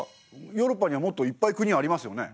ヨーロッパにはもっといっぱい国ありますよね？